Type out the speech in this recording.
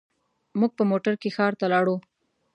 موږ په موټر کې ښار ته لاړو.